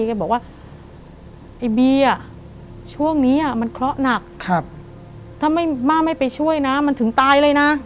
แกบอกว่าไอ้บีอ่ะช่วงนี้มันเคราะห์หนักถ้าไม่ม่าไม่ไปช่วยนะมันถึงตายเลยนะ